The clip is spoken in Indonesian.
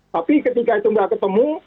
tapi ketika itu tidak ketemu ya akan mentok